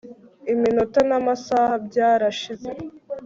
iminota n'amasaha byarashize